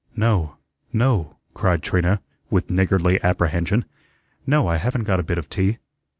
"No, no," cried Trina, with niggardly apprehension; "no, I haven't got a bit of tea."